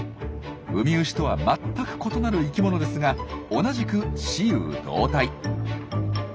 ウミウシとはまったく異なる生きものですが同じく雌雄同体。